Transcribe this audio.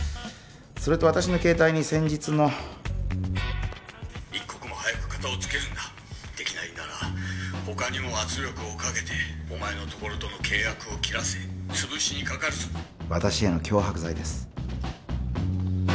それと私の携帯に先日の一刻も早くカタをつけるんだできないなら他にも圧力をかけてお前の所との契約を切らせ潰しにかかるぞ私への脅迫罪です